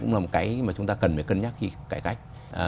một cái mà chúng ta cần phải cân nhắc khi cải cách